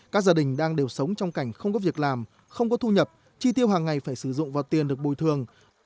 các gia đình đang đều sống trong cảnh không có việc làm không có thu nhập chi tiêu hàng ngày phải sử dụng vào tiền được bồi thường